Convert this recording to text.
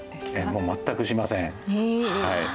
もう全くしません。